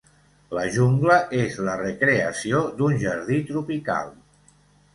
La Jungla és la recreació d'un jardí tropical.